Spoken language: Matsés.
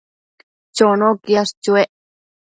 Chono quiash chuec